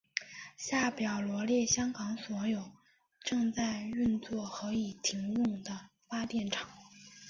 下表罗列香港所有正在运作和已停用的发电厂。